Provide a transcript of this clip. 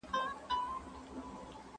شاګرد ته د خبرو اترو ښه زمینه برابریږي.